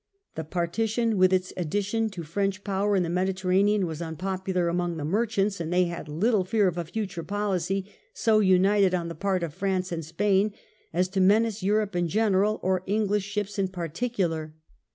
The Partition, with its addition to French power in the Mediterranean, was unpopular among the merchants, and they had little fear of a future policy so united on the part of France and Spain as to menace Europe in general or English ships in particular.